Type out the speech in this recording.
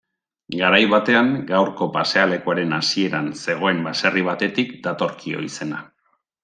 Garai batean, gaurko pasealekuaren hasieran zegoen baserri batetik datorkio izena.